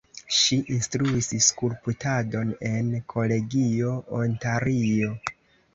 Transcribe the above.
Ŝi instruis skulptadon en kolegio Ontario.